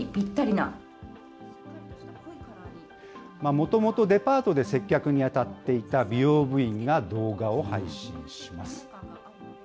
もともとデパートで接客に当たっていた美容部員が動画を配信します。